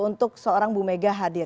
untuk seorang bu mega hadir